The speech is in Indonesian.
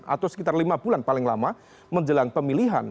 atau sekitar lima bulan paling lama menjelang pemilihan